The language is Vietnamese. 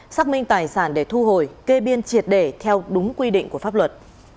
xác minh tài sản để thu hồi kê biên triệt để theo đúng quy định của pháp luật